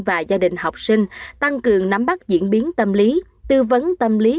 và gia đình học sinh tăng cường nắm bắt diễn biến tâm lý tư vấn tâm lý